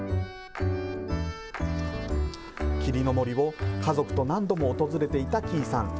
霧の森を家族と何度も訪れていた喜井さん。